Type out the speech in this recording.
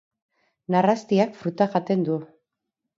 Narrastiak fruta jaten du.